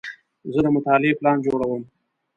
زه د مطالعې پلان جوړوم.